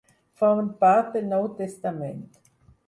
Formen part del Nou Testament.